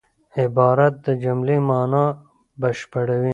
عبارت د جملې مانا بشپړوي.